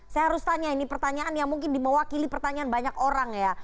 saya harus tanya ini pertanyaan yang mungkin dimewakili pertanyaan banyak orang ya